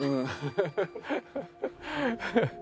ハハハハ。